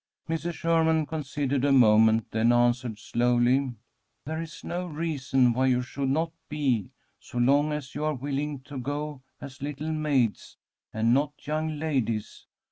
Mrs. Sherman considered a moment, then answered, slowly: "There is no reason why you should not be, so long as you are willing to go as little maids, and not young ladies.